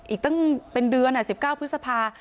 อีกตั้งเป็นเดือน๑๙พฤษภา